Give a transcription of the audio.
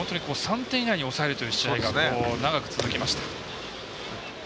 勝てない時期からでも３点以内に抑えるという試合が長く続きました。